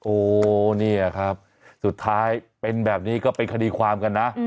โอ้เนี่ยครับสุดท้ายเป็นแบบนี้ก็เป็นคดีความกันนะ